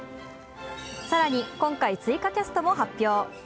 更に今回、追加キャストも発表。